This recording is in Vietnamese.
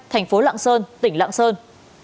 thành phố lạng sơn tỉnh lạng sơn